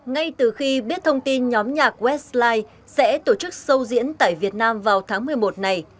ngay từ khi biết thông tin nhóm nhạc westline sẽ tổ chức sâu diễn tại việt nam vào tháng một mươi một này